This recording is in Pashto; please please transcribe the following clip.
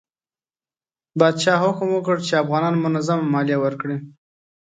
پادشاه حکم وکړ چې افغانان منظمه مالیه ورکړي.